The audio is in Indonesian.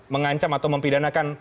mengancam atau mempidanakan